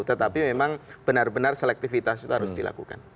tetapi memang benar benar selektifitas itu harus dilakukan